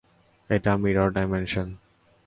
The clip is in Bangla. এটা মিরর ডাইমেনশন।